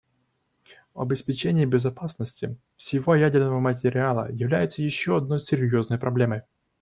Обеспечение безопасности всего ядерного материала является еще одной серьезной проблемой.